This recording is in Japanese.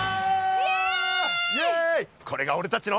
イエイ！